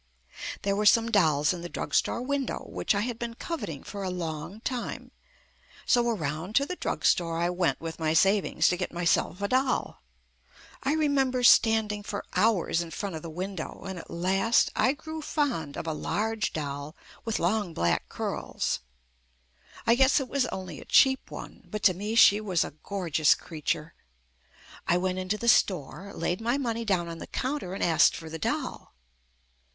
There were some dolls in the drugstore win dow which I had been coveting for a long time, so around to the drugstore I went with my sav ings to get myself a doll. I remember stand JUST ME ing for hours in front of the window, and at last I grew fond of a large doll with long black curls. I guess it was only a cheap one, but to me she was a gorgeous creature. I went into the store, laid my money down on the counter and asked for the doll.